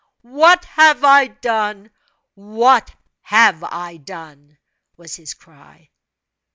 "What have I done? what have I done?" was his cry.